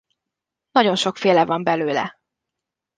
Nagyon sokféle van belőle.